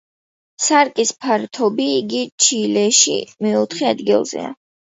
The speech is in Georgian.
სარკის ფართობით იგი ჩილეში მეოთხე ადგილზეა.